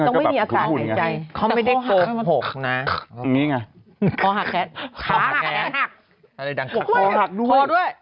ต้องไม่มีอาสารหายใจเขาไม่ได้โกหกนะนี่ไงคอหักแขนหักคอหักด้วย